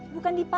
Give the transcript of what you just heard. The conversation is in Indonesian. bukan di pasar